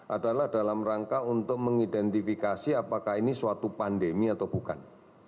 adalah dalam rangka untuk mengidentifikasi apakah ini suatu pandemi atau bukan